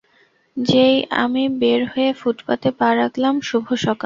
যেই আমি বের হয়ে ফুটপাতে পা রাখলাম, - শুভ সকাল।